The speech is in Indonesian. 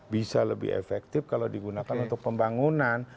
bisa lebih efektif kalau digunakan untuk pembangunan